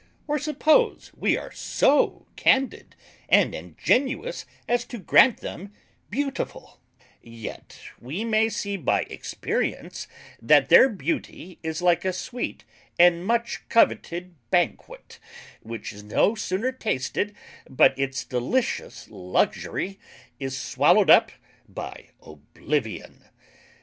Or suppose we are so candid and ingenuous as to grant them beautiful, yet we may see by experience, that their Beauty is like a sweet and much coveted Banquet, which is no sooner tasted but its delicious Luxury is swallowed up by Oblivion.